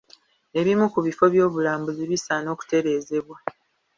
Ebimu ku bifo by'obulambuzi bisaana okutereezebwa.